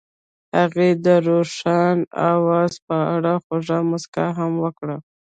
هغې د روښانه اواز په اړه خوږه موسکا هم وکړه.